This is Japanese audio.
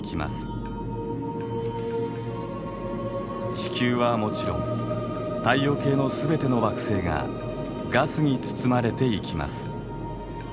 地球はもちろん太陽系の全ての惑星がガスに包まれていきます。